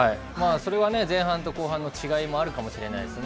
それはね、前半と後半の違いもあるかもしれないですね。